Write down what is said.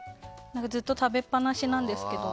ずっと食べっぱなしなんですけど。